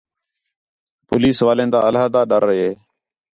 پولیس والیں تا علیحدہ ڈَر ہِے